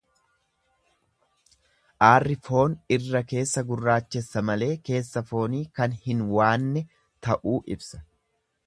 Aarri foon irra keessa gurraachessa malee keessa foonii kan hin waanne ta'uu ibsa.